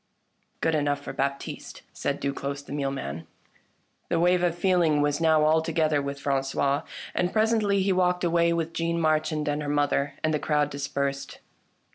" Good enough for Baptiste !" said Duclosse the mealman. The wave of feeling was now altogether with Fran cois, and presently he walked away with Jeanne Marchand and her mother, and the crowd dispersed.